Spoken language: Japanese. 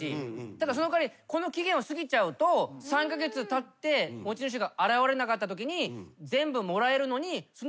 ただその代わりこの期限を過ぎちゃうと３カ月たって持ち主が現れなかったときに。